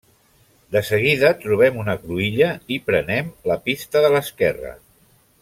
De seguida trobem una cruïlla i prenem la pista de l'esquerra.